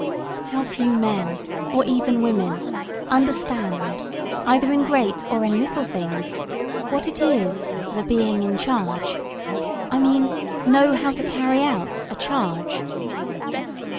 "] How few men, or even women, understand, either in great or in little things, what it is the being "in charge" I mean, know how to carry out a "charge."